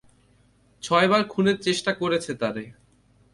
ছয়বার খুনের চেষ্টা করছে তারে।